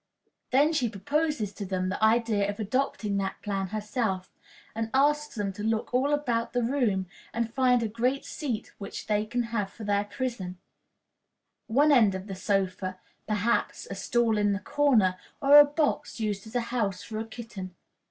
Then she proposes to them the idea of adopting that plan herself, and asks them to look all about the room and find a good seat which they can have for their prison one end of the sofa, perhaps, a stool in a corner, or a box used as a house for a kitten.